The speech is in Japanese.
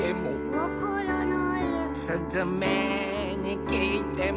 「わからない」「すずめにきいても」